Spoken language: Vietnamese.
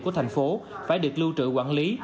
của thành phố phải được lưu trự quản lý